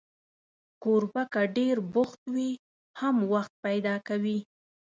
کوربه که ډېر بوخت وي، هم وخت پیدا کوي.